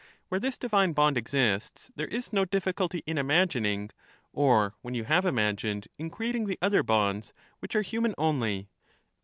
Where this divine bond exists there is no diflSculty in imagining, or when you have imagined, in creating the other bonds, which are human only.